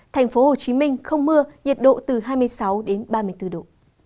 thành phố hồ chí minh không mưa nhiệt độ từ hai mươi sáu đến ba mươi bốn độ